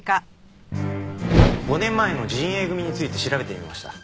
５年前の仁英組について調べてみました。